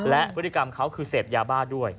และพฤติกรรมเขาคือเสพยาบ้าด้วย